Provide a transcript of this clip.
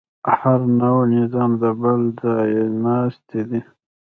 هر نوی نظام د بل ځایناستی دی.